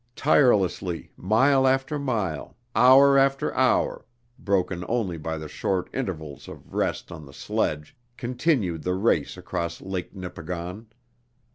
Tirelessly, mile after mile, hour after hour, broken only by the short intervals of rest on the sledge, continued the race across Lake Nipigon.